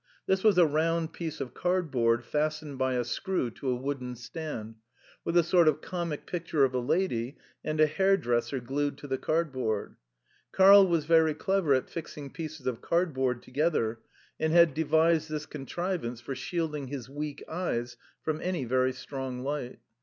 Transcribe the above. This was a round piece of cardboard fastened by a screw to a wooden stand, with a sort of comic picture of a lady and a hairdresser glued to the cardboard. Karl was very clever at fixing pieces of cardboard together, and had devised this contrivance for shielding his weak eyes from any very strong light.